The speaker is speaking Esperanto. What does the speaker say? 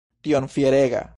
Tiom fierega!